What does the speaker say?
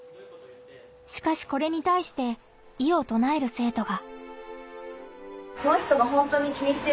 しかしこれにたいして異をとなえる生徒が。